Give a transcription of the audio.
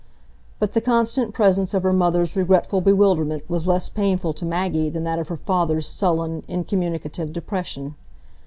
But the constant presence of her mother's regretful bewilderment was less painful to Maggie than that of her father's sullen, incommunicative depression.